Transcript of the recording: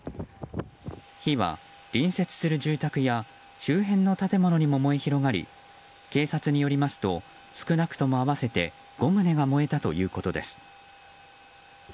火は隣接する住宅や周辺の建物にも燃え広がり警察によりますと少なくとも合わせて５棟が燃えたということです。